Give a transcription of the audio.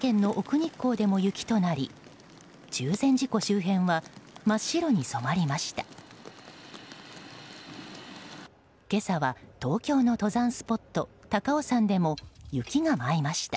日光でも雪となり中禅寺湖周辺は真っ白に染まりました。